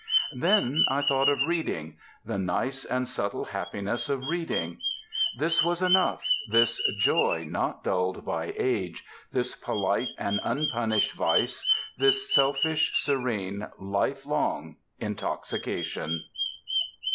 Then I thought of reading the nice and subtle happiness of reading. This was enough, this joy not dulled by Age, this polite and unpunished vice, this selfish, serene, life long intoxication.